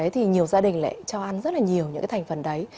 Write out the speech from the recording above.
thì nhiều gia đình lại trao ăn rất là nhiều những cái thành phần đấy